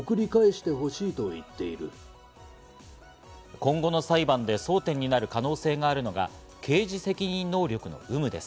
今後の裁判で争点になる可能性があるのが刑事責任能力の有無です。